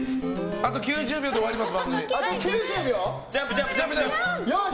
あと９０秒で番組終わります。